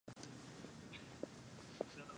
ډاکټره د نسج څېړنه کوي.